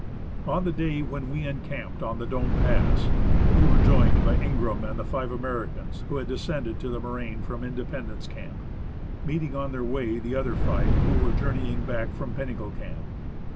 On the day when we encamped on the Dome Pass, we were joined by Ingraham and the five Americans who had descended to the moraine from Independence Camp, meeting on their way the other five who were journeying back from Pinnacle Camp.